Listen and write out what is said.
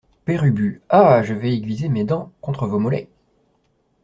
Père Ubu Ah ! je vais aiguiser mes dents contre vos mollets.